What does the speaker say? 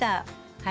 はい。